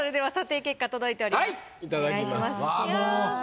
お願いします。